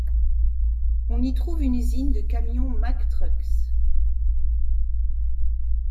On y trouve une usine de camions Mack Trucks.